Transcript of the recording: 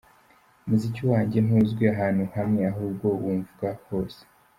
Umuziki wanjye ntuzwi ahantu hamwe ahubwo wumvwa hose.